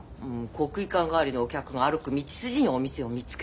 国技館帰りのお客が歩く道筋にお店を見つけるの。